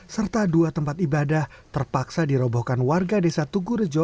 serta dua tempat ibadah terpaksa dirobohkan warga desa tugurejo